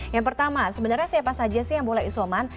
yang pertama sebenarnya siapa saja sih yang boleh isoman